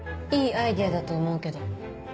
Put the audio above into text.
いいアイデアだと思うけど。